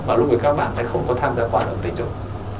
và lúc này các bạn sẽ không có tham gia quản ứng tinh dục